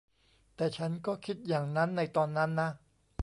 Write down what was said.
แต่ฉันก็คิดอย่างนั้นในตอนนั้นนะ